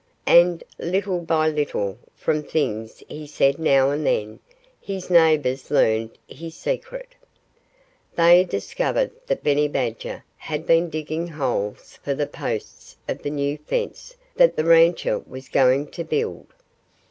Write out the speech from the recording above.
And little by little, from things he said now and then, his neighbors learned his secret. They discovered that Benny Badger had been digging holes for the posts of the new fence that the rancher was going to build!